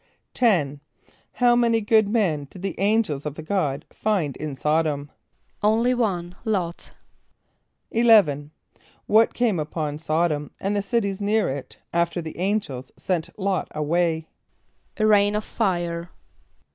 = =10.= How many good men did the angels of God find in S[)o]d´om? =Only one, L[)o]t.= =11.= What came upon S[)o]d´om, and the cities near it after the angels had sent L[)o]t away? =A rain of fire.